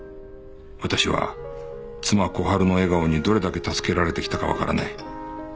私は妻小春の笑顔にどれだけ助けられてきたかわからない